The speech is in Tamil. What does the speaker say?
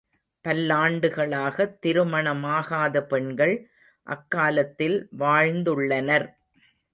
பல்லாண்டுகளாகத் திருமணமாகாத பெண்கள் அக்காலத்தில் வாழ்ந்துள்ளனர்.